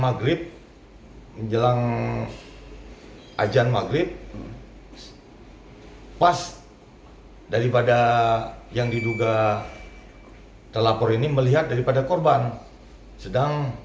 maghrib menjelang ajan maghrib pas daripada yang diduga terlapor ini melihat daripada korban sedang